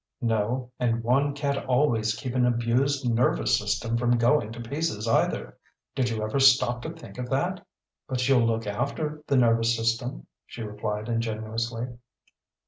"No, and one can't always keep an abused nervous system from going to pieces either. Did you ever stop to think of that?" "But you'll look after the nervous system," she replied ingenuously.